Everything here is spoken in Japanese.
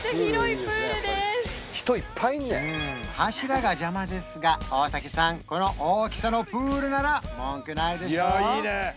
柱が邪魔ですが大竹さんこの大きさのプールなら文句ないでしょ？